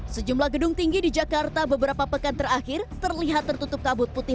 sejumlah gedung tinggi di jakarta beberapa pekan terakhir terlihat tertutup kabut putih